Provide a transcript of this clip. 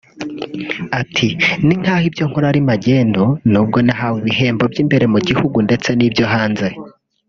Ati “Ni nkaho ibyo nkora ari magendu nubwo nahawe ibihembo by’imbere mu gihugu ndetse n’ibyo hanze